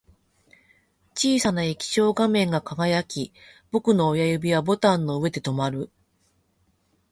小さな液晶画面が輝き、僕の親指はボタンの上で止まる